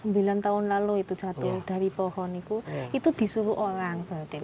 sembilan tahun lalu itu jatuh dari pohon itu itu disuruh orang berarti